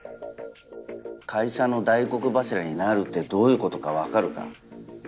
会社の大黒柱になるってどういうことか分かるか？